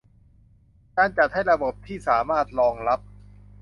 การจัดให้มีระบบที่สามารถรองรับ